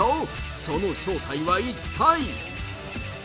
その正体は一体？